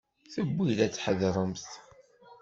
Tewwi-d ad tḥadremt.